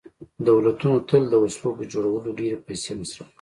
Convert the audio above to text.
دولتونو تل د وسلو په جوړولو ډېرې پیسې مصرف کړي